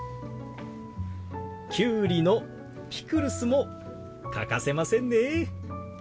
キュウリのピクルスも欠かせませんね。